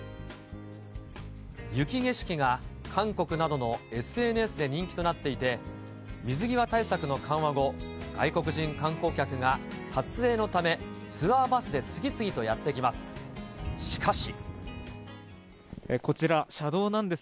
雪景色が韓国などのＳＮＳで人気となっていて、水際対策の緩和後、外国人観光客が撮影のため、ツアーバスで次々とやって来ます。